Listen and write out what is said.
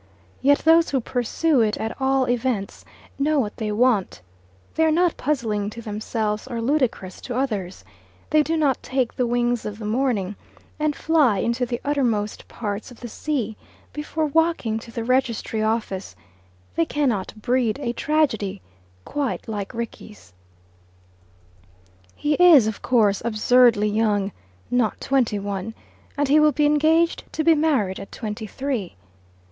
Yet those who pursue it at all events know what they want; they are not puzzling to themselves or ludicrous to others; they do not take the wings of the morning and fly into the uttermost parts of the sea before walking to the registry office; they cannot breed a tragedy quite like Rickie's. He is, of course, absurdly young not twenty one and he will be engaged to be married at twenty three.